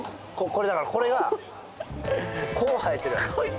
これだからこれがこう生えてるやろ？